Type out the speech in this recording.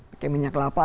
pakai minyak kelapa